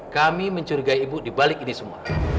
kami mencurigai ibu di balik ini semua